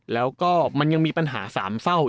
แล้วก็มันยังมีปัญหาสามเศร้า